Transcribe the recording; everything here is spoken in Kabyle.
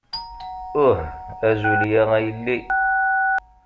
Uh, a Julia, a yelli!